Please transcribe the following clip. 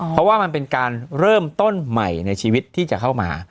เพราะว่ามันเป็นการเริ่มต้นใหม่ในชีวิตที่จะเข้ามา